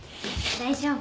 大丈夫？